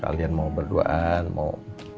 kalian mau berduaan mau